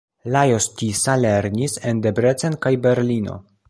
Lajos Tisza lernis en Debrecen kaj Berlino.